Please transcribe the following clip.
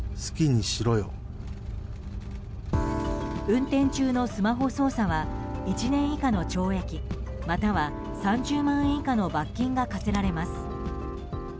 運転中のスマホ操作は１年以下の懲役または３０万円以下の罰金が科せられます。